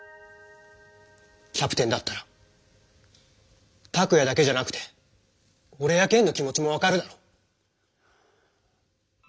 キャプテンだったらタクヤだけじゃなくておれやケンの気持ちもわかるだろ？